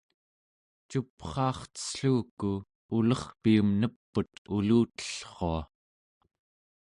cupraarcelluku ulerpiim nep'ut ulutellrua